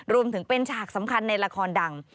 รวมถึงเป็นฉากสำคัญในละครดัง